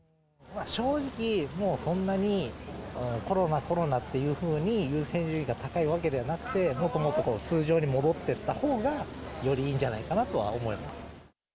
正直、もうそんなに、コロナ、コロナっていうふうに、優先順位が高いわけじゃなくて、もっともっとこう、通常に戻っていったほうが、よりいいんじゃないかなとは思います。